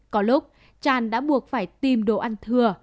có lúc tràn đã buộc phải tìm đồ ăn thừa